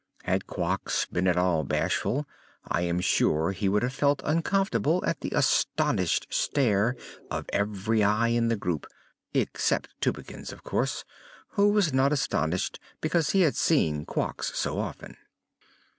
Had Quox been at all bashful I am sure he would have felt uncomfortable at the astonished stare of every eye in the group except Tubekins, of course, who was not astonished because he had seen Quox so often.